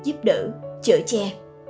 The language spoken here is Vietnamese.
giúp đỡ chở che